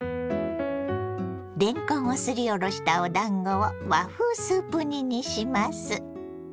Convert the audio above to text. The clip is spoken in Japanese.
れんこんをすりおろしたおだんごを和風スープ煮にします。